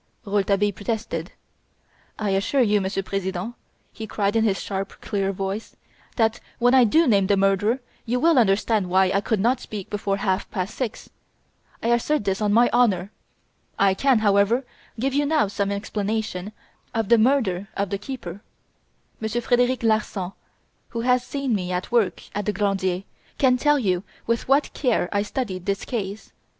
Rouletabille protested. "I assure you, Monsieur President," he cried in his sharp, clear voice, "that when I do name the murderer you will understand why I could not speak before half past six. I assert this on my honour. I can, however, give you now some explanation of the murder of the keeper. Monsieur Frederic Larsan, who has seen me at work at the Glandier, can tell you with what care I studied this case.